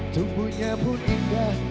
cumbunya pun indah